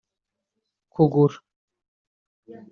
kugura